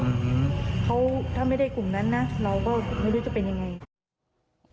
อืมเขาถ้าไม่ได้กลุ่มนั้นนะเราก็ไม่รู้จะเป็นยังไง